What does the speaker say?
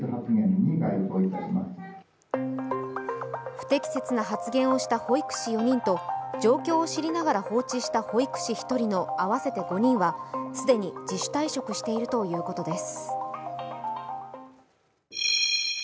不適切な発言をした保育士４人と状況を知りながら放置した保育士１人の合わせて５人は、既に自主退職しているということです。